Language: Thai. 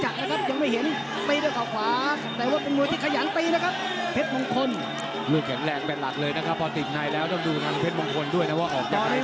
ด้วยแขนแรงเป็นหลักเลยนะครับพอติดในแล้วต้องดูนางเพชรมงคลด้วยนะว่าออกจากไหน